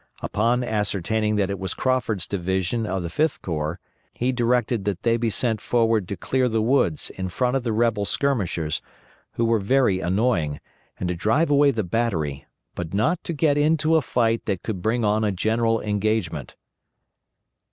Upon ascertaining that it was Crawford's division of the Fifth Corps, he directed that they be sent forward to clear the woods in front of the rebel skirmishers, who were very annoying, and to drive away the battery, _but not to get into a fight that could bring on a general engagement.